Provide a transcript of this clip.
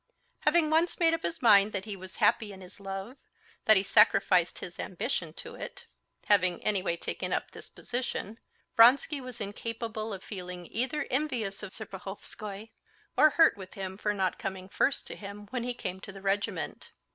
Having once made up his mind that he was happy in his love, that he sacrificed his ambition to it—having anyway taken up this position, Vronsky was incapable of feeling either envious of Serpuhovskoy or hurt with him for not coming first to him when he came to the regiment.